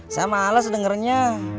saya males dengernya